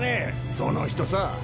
その人さ。